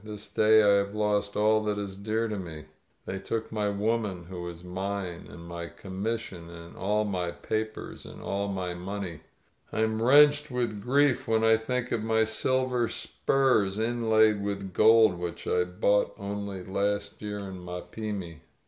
"This day I have lost all that is dear to me. They took my woman who was mine, and my commis sion and all my papers, and all my money. But I am wrenched with grief when I think of my silver spurs inlaid with gold, which I bought only last year in Mapimi!"